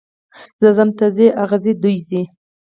زه ځم، ته ځې، هغه ځي، دوی ځي.